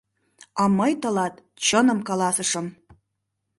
А мый тылат чыным каласышым.